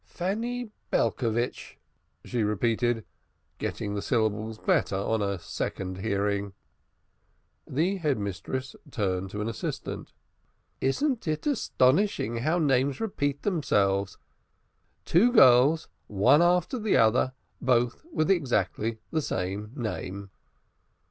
"Fanny Belcovitch," she repeated, getting the syllables better on a second hearing. The Head Mistress turned to an assistant. "Isn't it astonishing how names repeat themselves? Two girls, one after the other, both with exactly the same name."